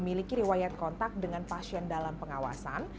memiliki riwayat kontak dengan pasien dalam pengawasan